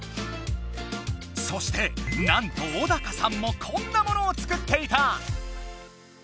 そしてなんとオダカさんもこんなものを作っていた！